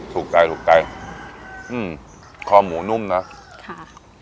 ถูกใจถูกใจอืมคอหมูนุ่มนะค่ะ